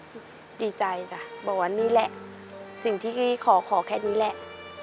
รู้สึกดีใจละบอกวันนี้แหละสิ่งที่ขอแค่นี้แหละ